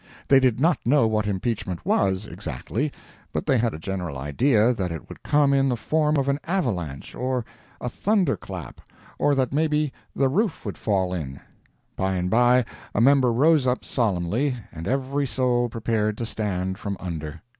They did not know what impeachment was, exactly, but they had a general idea that it would come in the form of an avalanche, or a thunder clap, or that maybe the roof would fall in. Bye and bye a member rose up solemnly, and every soul prepared to stand from under.